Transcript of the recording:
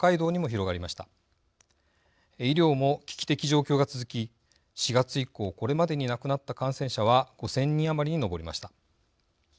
医療も危機的状況が続き４月以降これまでに亡くなった感染者は５，０００人余りに上りました。